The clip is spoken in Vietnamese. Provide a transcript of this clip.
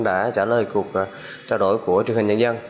đã trả lời cuộc trao đổi của truyền hình nhân dân